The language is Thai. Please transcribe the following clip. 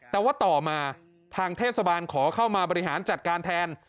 แต่ว่าต่อมาทางเทศบาลขอเข้ามาบริหารจัดการแทน